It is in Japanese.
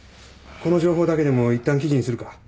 この情報だけでもいったん記事にするか？